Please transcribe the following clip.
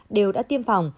đều đã tiêm phòng